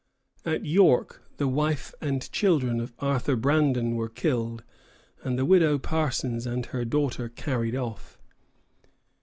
At York the wife and children of Arthur Brandon were killed, and the Widow Parsons and her daughter carried off.